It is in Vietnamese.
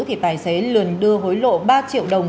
thì tài xế liền đưa hối lộ ba triệu đồng